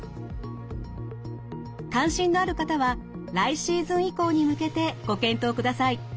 関心のある方は来シーズン以降に向けてご検討ください。